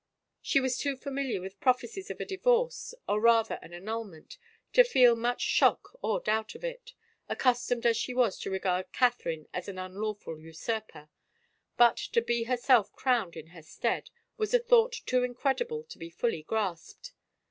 She was too familiar with prophecies of a divorce, or rather an annulment, to feel much shock or doubt of it, accustomed as she was to regard Catherine as an unlawful usurper, but to be herself crowned in her stead was a thought too incredible to be fully grasped.